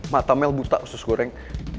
mata mel buta usus goreng